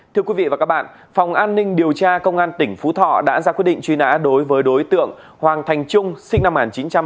thưa quý vị và các bạn phòng an ninh điều tra công an tỉnh phú thọ đã ra quyết định truy nã đối với đối tượng hoàng thành trung sinh năm một nghìn chín trăm tám mươi ba